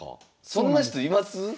そんな人います？